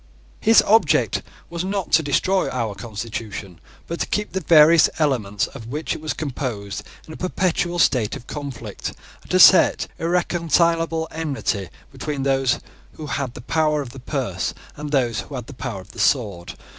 His object was not to destroy our constitution, but to keep the various elements of which it was composed in a perpetual state of conflict, and to set irreconcilable enmity between those who had the power of the purse and those who had the power of the sword.